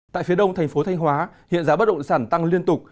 tại phía đông thành phố thanh hóa hiện giá bất động sản tăng liên tục